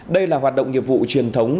đây là hoạt động nghiệp vụ truyền thống